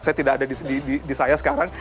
saya tidak ada di saya sekarang